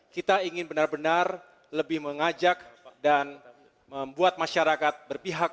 kita ingin benar benar lebih mengajak dan membuat masyarakat berpihak